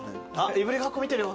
いぶりがっこ見てるよ。